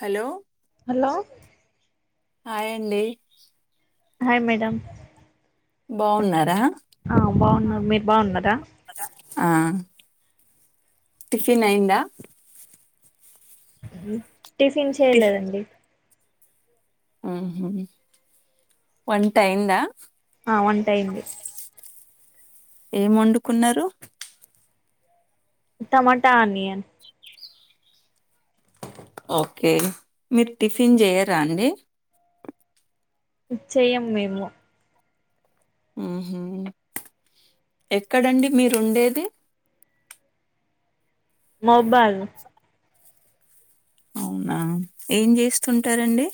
Hello hello hi అండి hi madam బావున్నారా ఆ బాగున్నాం మీరు బాగున్నారా ఆ టిఫన్ అయింద అ టిఫిన్ చేయలేదండి ఆ ఒంటయిందా ఆ వంటయింది ఏం వండుకున్నారు టమాట ఆనియ ఓకే మీరు టిఫిన్ చెయరా అండి నిశ్చయం మేము ఉహ ఎక్కడండి మీరు ఉండేది మోబైల్ అవునా ఏం చేస్తుంటారండి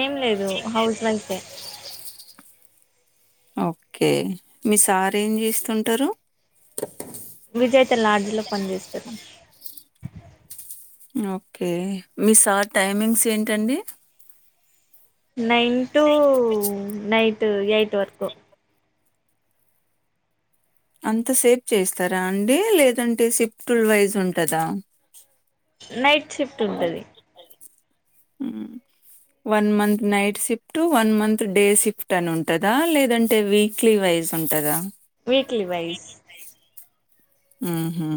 ఏం లేదు హౌస్ వై ఓకే మీ సార్ ఏం చేస్తుంటారు విజేత లాడలో పనిచేస్తారు ఓకే మీ సార్ టైమింగ్స్ ఏంటండి నైన్ టు నైట్ ఎయిట్ వరకు అంత సేపు చేస్తారా అండి లేదంటే సిప్టూల్ వైజ్ ఉంటందా నైట్ షిఫ్ట్ ఉంటది ఉమ్ one month night shift one month day shift అని ఉంటందా లేదంటే వీక్లీ వైజ్ ఉంటందా వీక్లీ వైస్్ ఆహా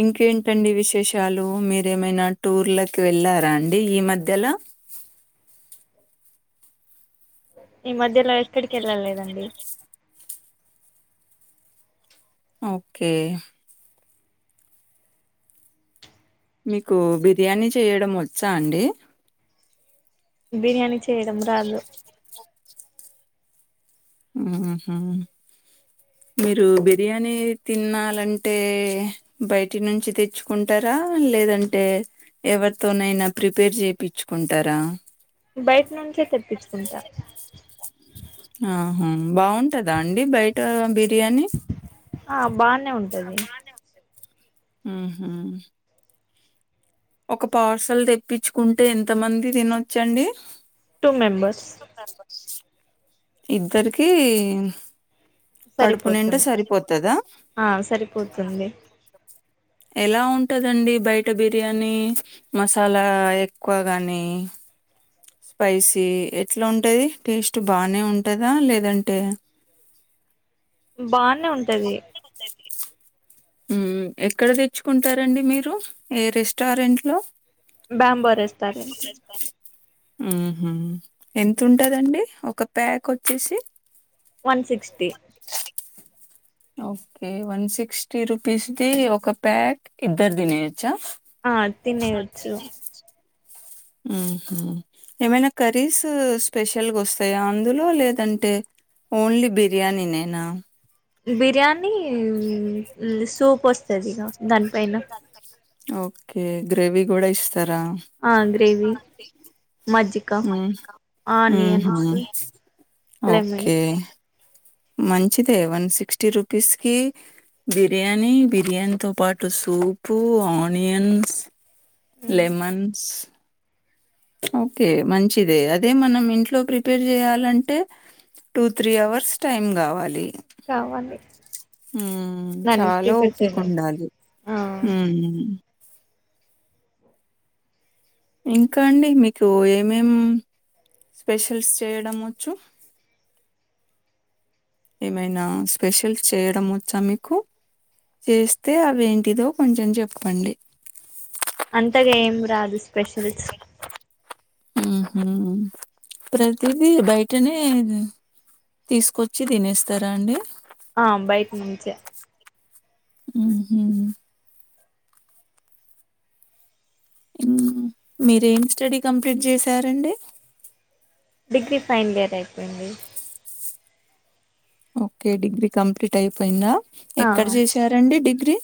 ఇంకేంటండి విశేషాలు మీరేమైనా టూర్లకి వెళ్ళారా అండి ఈ మధ్యలో ఈ మధ్యలో ఎక్కడికి వెళ్ళాల లేదండి ఓకే మీకు బిర్యానీ చేయడం వచ్చా అండి బిర్యానీ చేయడం రాదు ఆహ మీరు బిర్యానీ తినాలంటే బయటి నుంచి తెచ్చుకుంటారా లేదంటే ఎవరితోనైనా ప్రిపేర్ చెప్పించుకుంటారా బయట నుంచే తెప్పించుకుంటా ఆహా బాగుంటదా అండి బయట బిర్యానీ ఆ బా చద వతుంది ఆ హా ఒక పార్సల్ తెప్పించుకుంటే ఎంత మంది తినొచ్చండి టూ మేం ఇద్దరికి కడుపు నిండా సరిపోతుంది సరిపోతదా ఆ సరిపోతుంది ఎలా ఉంటుందండి బయట బిర్యానీ మసాలా ఎక్కువ కానీ స్పైసీ ఎట్లా ఉంటుది టేస్ట్ బానే ఉంటందా లేదంటే బాన్ నే ఉంటది ఉమ్ ఎక్కడ తెచ్చుకుంటారంండి మీరు ఏ రెస్టారెంట్ లో బాంబో రెస్టారెంట్ ఆహ ఎంత ఉంటదండి ఒక ప్యాక్ వచ్చేసి one sixty okay one sixty రూపీస్దిి ఒక ప్యాక్ ఇద్దరు తినేు ఆ తన్నేయాచ్చు ఉమ్ హ్మ్మ్ ఏమైనా కర్రీస్ స్పెషల్గా వస్తాయా అందులో లేదంటే ఓన్లీ బిర్యానీ నేనా బిర్యానీ సూప్ వస్తుంది ఇక దానిపైైన ఓకే గ్రేవి కూడా ఇస్త ఆ గ్రేవి మజ్జి ఉ ఉహు లెమన్ ఓకే మంచిదే వన్ సిక్స్టీ రూపీస్ కి బిర్యానీ బిర్యానీ తో పాటు సూపు ఆనియన్స్ లెమన్స్ ఓకే మంచిదే అదే మనం ఇంట్లో ప్రిపేర్ చేయాలంటే టూ త్రీ అవర్స్ టైం కావాలి కావాలి హు దాన్ని చాలా ప్రిపేర్ ఓపిక చేయడం ఉండాలి ఆ హు ఇంకా అండి మీకు ఏమేం స్పెషల్స్ చేయడం వచ్చు ఏమైనా స్పెషల్స్ చేయడం వచ్చా మీకు చేస్తే అవి ఏంటిదో కొంచెం చెప్పండి అంతగా ఏం రాదు స్పెషల్స్ ఉహు ప్రతిదీ బయటనే తీసుకొచ్చి తినేస్తారా అండి ఆ బైట్ నుంచే ఉహు మీరేం స్టడీ కంప్లీట్ చేసారండి డిగ్రీ ఫైనల్ ఇయర్ అయిపోయింది ఓకే డిగ్రీ కంప్లీట్ అయిపోయిందా ఆ ఎక్కడ చేసారండి డిగ్రీ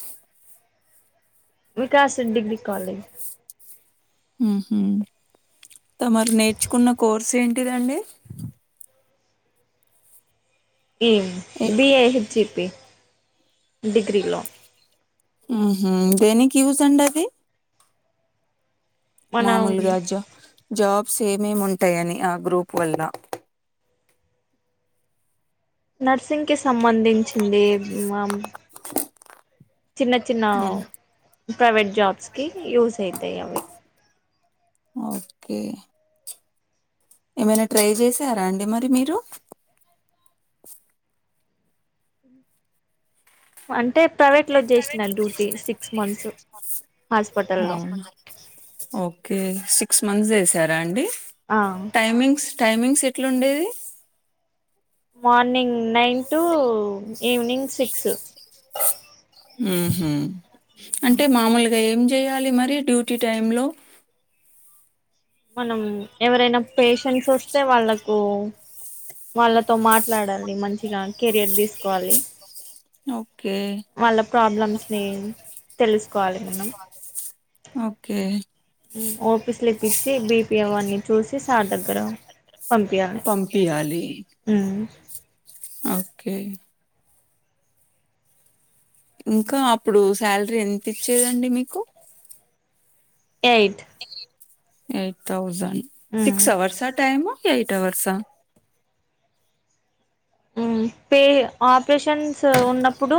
వికాస్ డిగ్రీ కాలేజ్ ఉహు త మరి నేర్చుకున్న కోర్సు ఏంటిదండి ఈ ఏ బిఐహెచ్ జిపీ డిగ్రీలో ఉహు దేనికి యూస్ అండి అది మనం మామూలుగా జ జాబ్ సే ఏమేమి ఉంటాయని ఆ గ్రూప్ వల్ల న సింగ్ కి సంబంధించింది మమ్ చిన్న చిన్న ఉమ్ ప్రైవేట్ జాబ్స్కి యూస్ అయితాయి అవి ఓకే ఏమైనా ట్రై చేసారా అండి మరి మీరు అంటే ప్రైవేట్ లో చేసిన ప్రైవేట్లో డ్యూటీ చేసిన six duty months six months హాస్పిటల్లో అవునా ఓ ఓకే సిక్స్ మంత్స్ చేసారా అండి ఆ టైమింగ్స్ టైమింగ్స్ ఎట్లుండేది morning nine to evening six ఆ ఉహూ అంటే మామూలుగా ఏం చేయాలి. మరి డ్యూటీ టైంలో మనం ఎవరైనా పేషెంట్స్ వస్తే వాళ్ళకు వాళ్ళతో మాట్లాడాలి మంచిగా కెరియర్ తీసుకోవాలి. ఓకే వాళ్ళ ప్రాబ్లమ్స్ నీ తెలుసు మనం ఓకే ఓపీ స్లిప్ ఇచ్చి బిపి అవన్ని చూసి సార్ దగ్గర పంపియాలి. పంపియాలి ఓకే ఇంకా అప్పుడు శాలరీ ఎంత ఇచ్చేదండి మీకు. Eight eight thousand. ఉమ్ సిక్స్ అవర్స్ ఆ టైమ్. ఎయిట్ అవర్స్ ఆ పే ఆప్ రేషన్స్ ఉన్నప్పుడు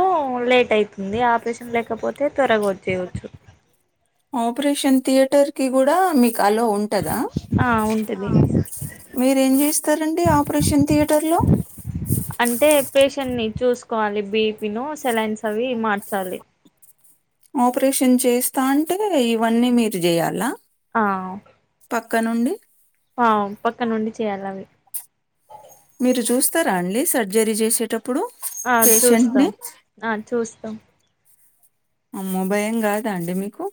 లేట్ అవుతుంది. ఆపరేషన్ లేకపోతే త్వరగా వచ్చయవచ్చు. ఆపరేషన్ థియేటర్ కి కూడా మీకు, అల్లో ఉంటందా ఆ ఉంటది మీరేం చేస్తారండి. ఆపరేషన్ థియేటర్ లో, కోవాలి. బీపి ను సెలైన్స్ అవి మార్చాలి. ఆపరేషన్ చేస్తా అంటే ఇవన్నీ మీరు చేయాలా. ఆ పక్క నుండి, [inaudible] ఆ పక్క నుండి చేయాలి. అవి మీరు చూస్తారా అండి సర్జరీ చేసేటప్పుడు ఇప్పుడు పేషెంట్ ని కుత్తం [unintelligible] అమ్మో భయం కాదా అండి మీకు.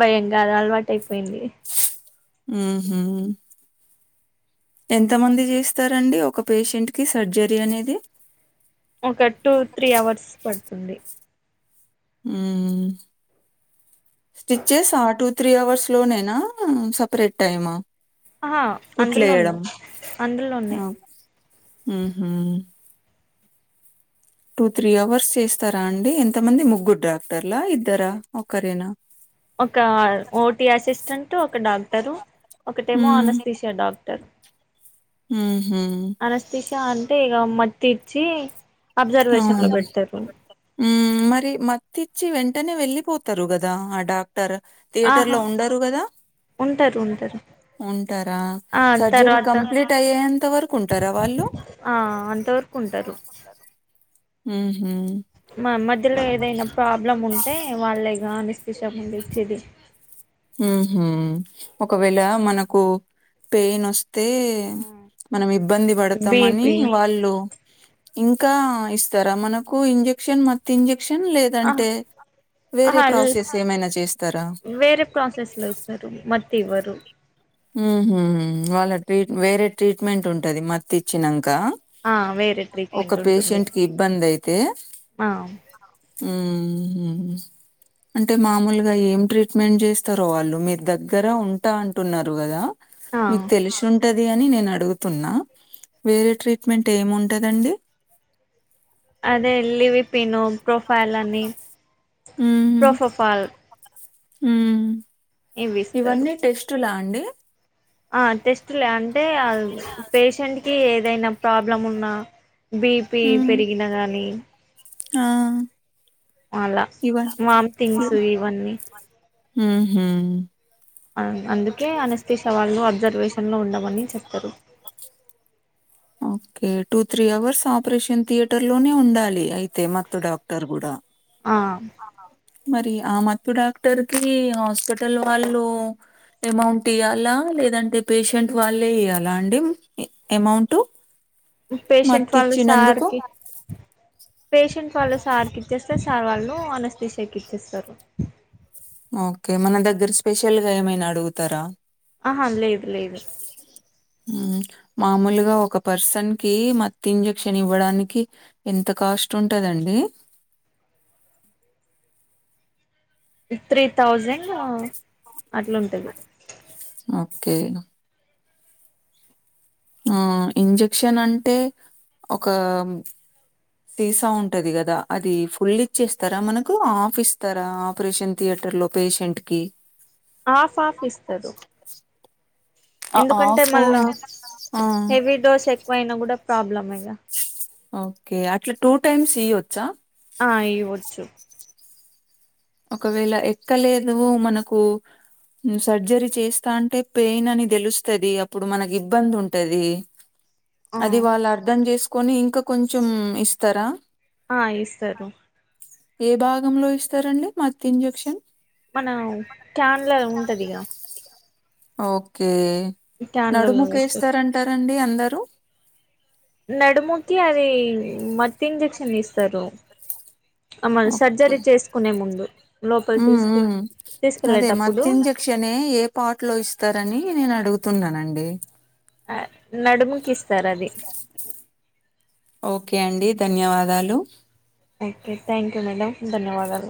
భయం కాదు అలవాటు అయిపోయింది. ఉహు ఎంత మంది చేస్తారండి ఒక పేషెంట్ కి సర్జరీ అనేది. ఒక టూ త్రీ అవర్స్ పడుతుంది స్టిచ్చెస్ ఆ టూ త్రీ అవర్స్ లోనేనా సపరేట్ టైమా. ఆహా కుట్లు అందులో వేయడం ఉన్నాయి అందులో ఆ ఉన్నాయి ఉహూ టూ త్రీ అవర్స్ చేస్తారా అండి ఎంతమంది ముగ్గురు డాక్టర్లా ఇద్దరా, ఒక్కరేనా. ఒక ఓటి అసిస్టెంట్ ఒక డాక్టర్. తారు ఒకటేమో అనస్తీషియా డాక్టర్. [inaudible] ఉహూ అనస్తీషియా అంటే ఇగ మత్తు ఇచ్చి. అబ్జర్వేషన్ లో అవును పెడతరు. హ్మ్ మరి మత్తిచ్చి వెంటనే వెల్లిపోతరు కదా ఆడ ఆహా ఉంటారు ఉంటారు ఉంటరా ఆ సర్జరీ తర్వాత కంప్లీట్ అయ్యేంత వరకుంటారా వాళ్ళు ఆ అంతవరకు ఉంటారు ఊహు మా మధ్యలో ఏదైనా ప్రాబ్లం ఉంటే వాల్లేగా అని విషముండెచ్చిది ఉహు ఒకవేళ మనకు పెయిన్ వస్ తే మనమిబ్బంది పడతామని బీపి వాళ్ళు ఇంకా ఇస్తరా? మనకు ఇంజెక్షన్ మత్తింజ క్షన్ ఆ లేదంటే వేరే ఆహా ప్రాసెస్ ఏమైనా చేస్తారా? వేరే ప్రాసెస్ లో ఇస్తరు మర్ ఇవ్వరు ఊహు వాళ్ళ ట్రీట్ వేరే ట్రీట్మెంట్ ఉంటది. మత్తిచ్చినక్ క ఆ వేరే ఒక ట్రీట్మెంట్ ఉంటుంది పేషెంట్ కిబ్బందయితే ఆ హ్మ్మ్ అంటే మామూలుగా ఏం ట్రీట్మెంట్ చేస్తరో వాళ్ళు మీ దగ్గర ఉంటా అంటున్నర్ టు గదా ఆ మీకు తెలిసుం ఉంటది అని నేనడుగుతున్నా. వేరే ట్రీట్మెంట్ ఏముంటదండి? అదే ఇ ల్లి వి పి నోమ్మ్ ప్రొఫైల్ అని ప్రొప్రోఫైల్ హ్మ్మ్ ఇస్తారు ఇవన్నీ టెస్ట్ లా అండి ఆ టస్ లే అంటే ఆ పేషెంట్ కి ఏ ఏదైనా ప్రాబ్లం ఉన్నా బీపీ ఉ పెరిగిన గానీ! ఆ అలా ఇవ వాంతింగ్స్ ఇవన్నీ ఊహు అందుకే అనస్థిష వాళ్ళు అబ్జర్వేషన్ లో ఉండమని చెప్ క okay two three hours operation theatre లోనే ఉండాలి. అయితే మత్తు డాక్టర్ గుడా ఆ మరి ఆ మత్తు డాక్టర్ కి హాస్పిటల్ వాళ్ళు అమౌంట్ ఇయ్యాలా లేదంటే పేషెంట్ వాళ్ళే ఇయాలా అండి అమౌంట్ పేషంట్ వాళ్ళు సార్కి పేషెంట్ వాళ్ళు సార్కి ఇచ్చేస్తే సార్ వాళ్ళు అనేస్తిషియాకు ఇచ్చేస్తారు ఓకే మన దగ్గర స్పెషల్ గా ఏమైనా అడుగుతారా ఆహా లేదు లేదు మామూలుగా ఒక పర్సన్ కి మత్తి ఇంజక్షన్ ఇవ్వడానికి ఎంత కాస్ట్ ఉంటదండి త్రీ థౌజండ్ అట్లుంటది కేనా ఆ ఇంజక్షన్ అంటే ఒక సీసా ఉంటది గదా అది ఫుల్ ఇచ్చేస్తారా మనకు ఆఫ్ ఇస్తారా ఆపరేషన్ థియేటర్ లో పేషెంట్ కి ఆఫ్ ఆఫ్ ఇస్తరు ఆ ఎందుకంటే ఆఫు మళ్ళా ఆ హెవీ డోస్ ఎక్కువయినా గూడా ప్రాబ్లమేగా ఓకే అట్లా టూ టైమ్స్ ఇయ్యోచ్చా ఆ ఇయివచ్చు ఒకవేళ ఎక్కలేదు మనకు సర్జరీ చేస్తా అంటే పెయిన్ అని తెలుస్తుది అప్పుడు మనకి ఇబ్బంది ఉంటది ఆ అది వాళ్ళు అర్థం జెసుకు కొని ఇంకా కొంచం ఇస్తరా ఆ ఇస్తరు ఏ భాగంలో ఇస్తరండి మత్ ఇంజెక్షన్ మన క్యాన్ల ఉంటది ఇగ ఓకే వేస్తారు నడుముఖేస్తారంటారండి అ ందరు నడుముకి అది మత్తు ఇంజక్షన్ ఇస్తరు ఓకే లోపలి ఉ ఉ తీసుకు అదే తీసుకెళ్ళేటప్పుడు మత్తింజెక్షనే ఏ పార్ట్ లో ఇస్తారని నేను అడుగుతా వత్తున్నానండి ఆ నడుముకి ఇస్ సరె అది ఓకే అండి ధన్యవాదాలు ఓకే థ్యాంక్ యూ మేడం ధన్యవాదాలు